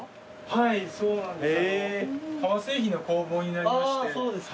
はいそうなんです。